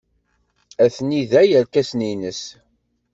Atni da yerkasen-nnes.